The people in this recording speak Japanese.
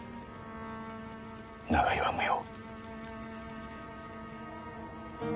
長居は無用。